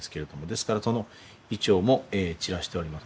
ですからその銀杏も散らしております。